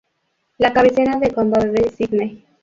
La cabecera del condado es Sidney.